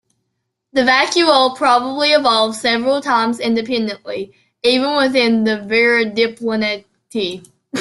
The vacuole probably evolved several times independently, even within the Viridiplantae.